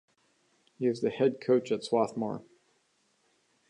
He is the head coach at Swarthmore.